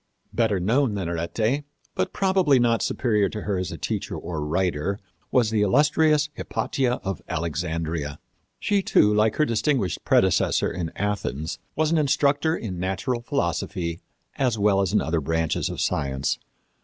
Better known than Arete, but probably not superior to her as a teacher or writer, was the illustrious Hypatia of Alexandria. She, too, like her distinguished predecessor in Athens, was an instructor in natural philosophy, as well as other branches of science.